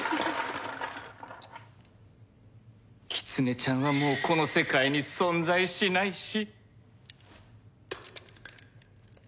キツネちゃんはもうこの世界に存在しないし。